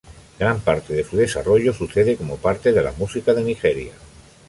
Gran parte de su desarrollo sucede como parte de la música de Nigeria.